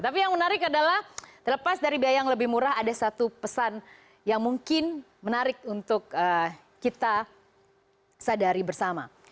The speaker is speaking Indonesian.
tapi yang menarik adalah terlepas dari biaya yang lebih murah ada satu pesan yang mungkin menarik untuk kita sadari bersama